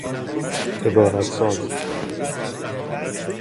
عبارت ساز